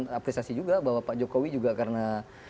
apresiasi juga bahwa pak jokowi juga karena